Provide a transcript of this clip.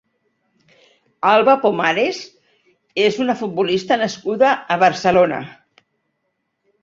Alba Pomares és una futbolista nascuda a Barcelona.